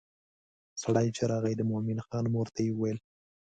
سړی چې راغی د مومن خان مور ته یې وویل.